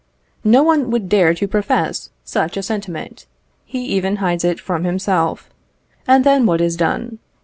No one would dare to profess such a sentiment; he even hides it from himself; and then what is done?